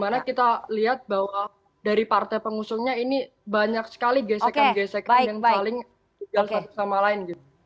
dan juga kita lihat bahwa dari partai pengusulnya ini banyak sekali gesekan gesekan yang saling tiga satu sama lain gitu